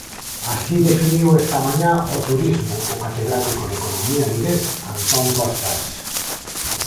Así definiu, esta mañá, o turismo o catedrático de Economía vigués, Antón Costas.